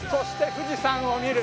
富士山を見る。